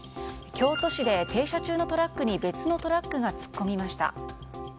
京都市で停車中のトラックに別のトラックが突っ込みました。